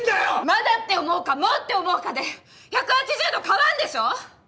まだって思うかもうって思うかで１８０度変わんでしょ！